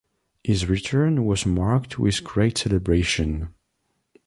His return was marked with great celebration.